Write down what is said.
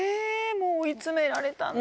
もう追い詰められたんだね。